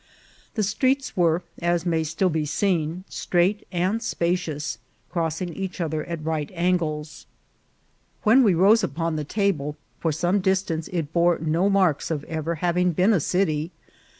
The streets were, as may still be seen, straight and spacious, crossing each other at right angles. When we rose upon the table, for some distance it bore no marks of ever having been a city.